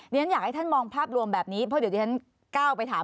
ฉันอยากให้ท่านมองภาพรวมแบบนี้เพราะเดี๋ยวที่ฉันก้าวไปถาม